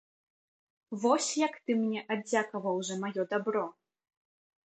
Вось, як ты мне аддзякаваў за маё дабро!